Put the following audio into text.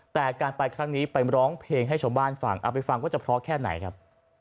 แต่การไปครั้งนี้ไปร้องเพลงให้ชมบ้านฟังอัฟฟิฟังก็จะพร้อมแค่ไหนครับ